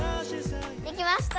できました。